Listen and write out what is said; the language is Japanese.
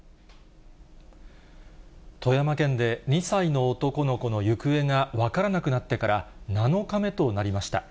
富山県で２歳の男の子の行方が分からなくなってから、７日目となりました。